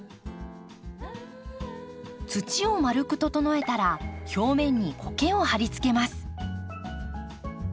土を丸く整えたら表面にコケをはりつけます。